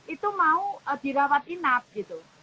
itu mau dirawat inap gitu